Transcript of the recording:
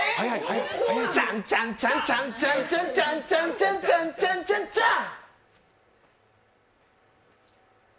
チャンチャンチャ、チャンチャンチャ、チャンチャンチャ、チャンチャチャン！